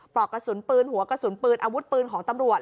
ปลอกกระสุนปืนหัวกระสุนปืนอาวุธปืนของตำรวจ